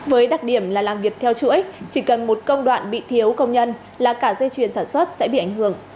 với đặc điểm là làm việc theo chuỗi chỉ cần một công đoạn bị thiếu công nhân là cả dây chuyền sản xuất sẽ bị ảnh hưởng